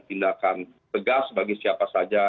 tindakan tegas bagi siapa saja